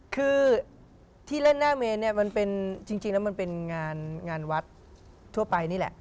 คือที่เล่นหน้าเมนเนี่ยมันเป็นจริงแล้วมันเป็นงานวัดทั่วไปนี่แหละ